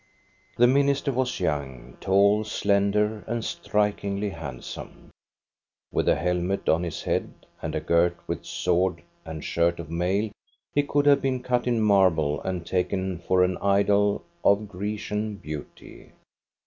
The minister was young, tall, slender, and strik ingly handsome. With a helmet on his head, and girt 'with sword and shirt of mail, he could have been cut in marble and taken for an ideal of Grecian beauty.